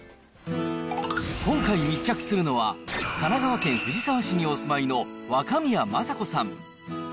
今回密着するのは、神奈川県藤沢市にお住まいの若宮正子さん。